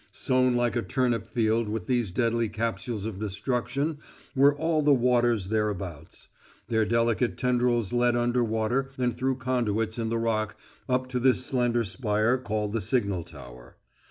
Sown like a turnip field with these deadly capsules of destruction were all the waters thereabouts; their delicate tendrils led under water and through conduits in the Rock up to this slender spire called the signal tower.